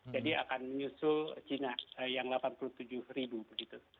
jadi akan menyusul cina yang rp delapan puluh tujuh begitu